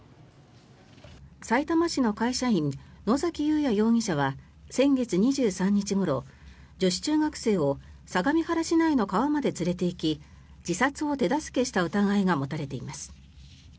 さいたま市の会社員野崎祐也容疑者は先月２３日ごろ女子中学生を相模原市内の川まで連れていき自殺を手助けした疑いが持たれています。